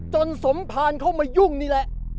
จนสมภารเข้ามายุ่งนี่แหละ